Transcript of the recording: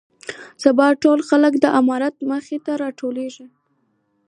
سبا ټول خلک د امارت مخې ته راټول شول.